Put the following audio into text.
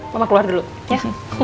mama keluar dulu ya